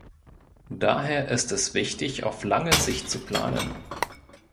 Daher ist es wichtig, auf lange Sicht zu planen.